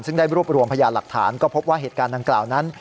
ซึ่งได้รวบรวมพยานหลักฐานก็พบว่าเหตุการณ์ดังกล่าวนั้น